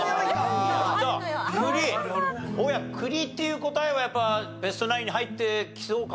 大家栗っていう答えはやっぱベスト９に入ってきそうかね？